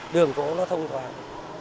đường phố nó thông thoảng